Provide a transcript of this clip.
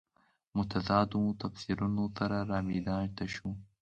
متضادو تفسیرونو سره رامیدان ته شو.